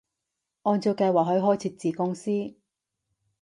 按照計劃去開設子公司